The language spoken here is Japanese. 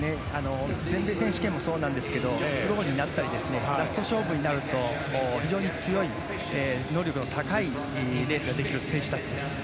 全米選手権もそうですがラスト勝負になると非常に強い能力の高いレースができる選手たちです。